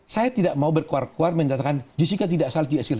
saya tidak mau berkuar kuar menjatuhkan jessica tidak asal di asil